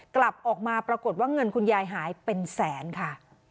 กลับออกมาปรากฏว่าเงินคุณยายหายเป็นแสนค่ะ